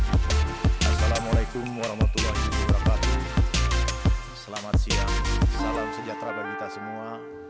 assalamualaikum warahmatullahi wabarakatuh selamat siang salam sejahtera bagi kita semua